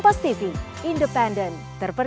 dan dia melarikan diri begitu